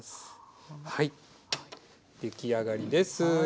はい出来上がりです。